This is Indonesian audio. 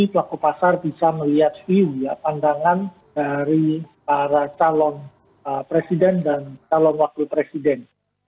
pelaku pasar bisa melihat view ya pandangan dari para calon presiden dan calon wakil presiden